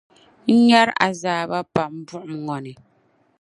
n nyari azaaba pam buɣim ŋɔ ni.